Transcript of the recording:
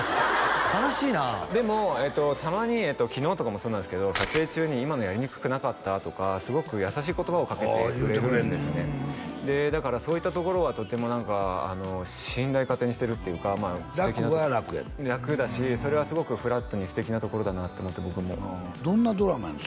悲しいなあでもえっとたまに昨日とかもそうなんですけど撮影中に今のやりにくくなかった？とかすごく優しい言葉をかけてくれるんですねでだからそういったところはとても何か信頼勝手にしてるっていうか楽は楽やねん楽だしそれはすごくフラットに素敵なところだなって思って僕もどんなドラマやの？